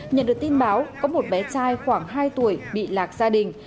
nhận được tin báo có một bé trai khoảng hai tuổi bị lạc gia đình